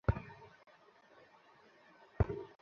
এটা তো আশা করিনি।